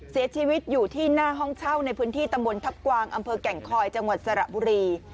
เสียชีวิตอยู่ที่หน้าห้องเช่าในพื้นที่ตำบลทัพกวางอำเภอแก่งคอยจังหวัดสระบุรี